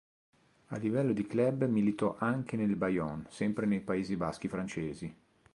A livello di club militò anche nel Bayonne, sempre nei Paesi Baschi francesi.